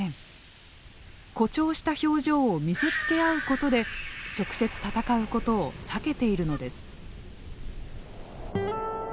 誇張した表情を見せつけ合うことで直接戦うことを避けているのです。